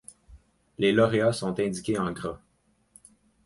Les lauréats sont indiqués en gras.